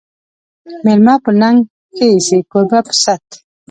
مېلمه په ننګ ښه ایسي، کوربه په صت